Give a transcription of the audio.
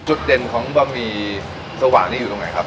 จุดเด่นของบะหมี่สว่างนี่อยู่ตรงไหนครับ